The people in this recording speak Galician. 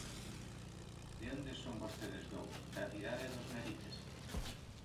De onde son vostedes dous, da cidade dos narices?